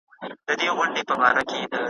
سرمایه داري د غریبانو په حقوقو تېری کوي.